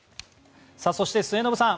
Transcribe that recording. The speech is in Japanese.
そして末延さん